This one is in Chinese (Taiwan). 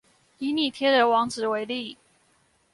以你貼的網址為例